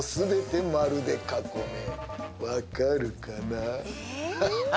分かるかな？